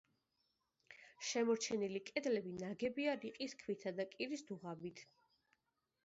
შემორჩენილი კედლები ნაგებია რიყის ქვითა და კირის დუღაბით.